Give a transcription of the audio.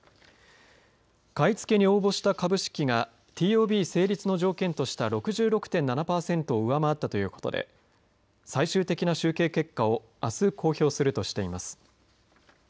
買い付けに応募した株式がＴＯＢ成立の条件とした６６．７パーセントを上回ったということで最終的な集計結果をあす公表するとしています。